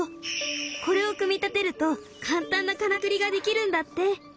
これを組み立てると簡単なからくりができるんだって。